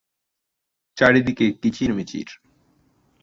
চারিদিকে কিচির মিচির।